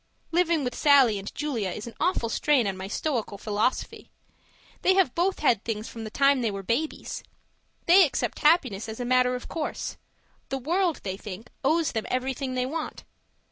Living with Sallie and Julia is an awful strain on my stoical philosophy. They have both had things from the time they were babies; they accept happiness as a matter of course. The World, they think, owes them everything they want.